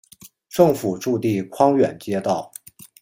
政府驻地匡远街道。